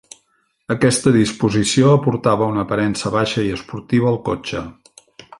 Aquesta disposició aportava una aparença baixa i esportiva al cotxe.